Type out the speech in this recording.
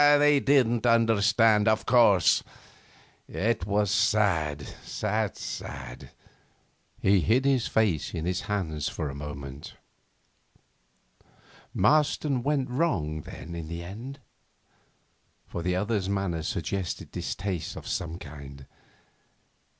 They didn't understand, of course.... It was sad, sad, sad.' He hid his face in his hands a moment. 'Marston went wrong, then, in the end?' for the other's manner suggested disaster of some kind.